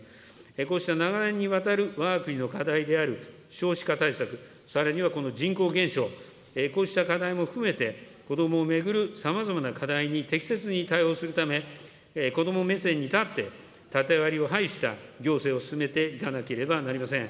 こうした長年にわたるわが国の課題である少子化対策、さらにはこの人口減少、こうした課題も含めて、子どもを巡るさまざまな課題に適切に対応するため、子ども目線に立って縦割りを排した行政を進めていかなければなりません。